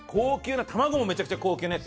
卵もめちゃくちゃ高級なやつよ。